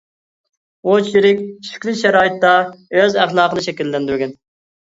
ئۇ چىرىك، چۈشكۈن شارائىتتا ئۆز ئەخلاقىنى شەكىللەندۈرگەن.